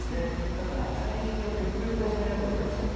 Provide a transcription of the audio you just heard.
だから彩色は極力抑えられてます。